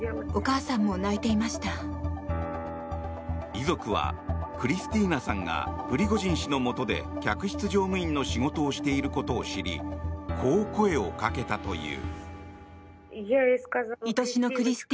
遺族はクリスティーナさんがプリゴジン氏のもとで客室乗務員の仕事をしていることを知りこう声をかけたという。